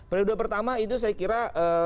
periode pertama itu saya kira